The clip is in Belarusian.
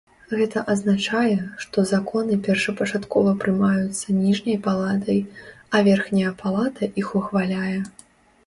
Гэта азначае, што законы першапачаткова прымаюцца ніжняй палатай, а верхняя палата іх ухваляе.